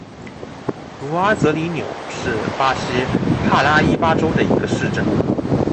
茹阿泽里纽是巴西帕拉伊巴州的一个市镇。